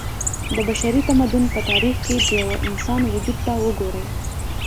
د بشري تمدن په تاريخ کې د يوه انسان وجود ته وګورئ